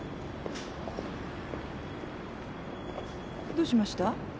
どうしました？